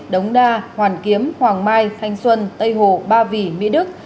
đống đa hoàn kiếm hoàng mai thanh xuân tây hồ ba vì mỹ đức